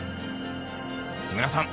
木村さん